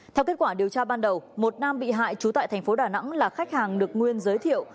theo kết quả điều tra ban đầu một nam bị hại trú tại thành phố đà nẵng là khách hàng được nguyên giới thiệu